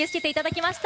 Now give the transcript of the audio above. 来ました！